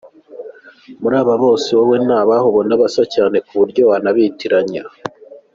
Muri aba bose wowe ni abahe ubona basa cyane kuburyo wanabitiranya?.